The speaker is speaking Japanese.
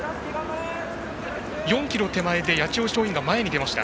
４ｋｍ手前で八千代松陰が前に出ました。